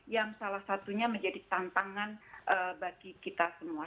yang salah satunya menjadi tantangan bagi kita semua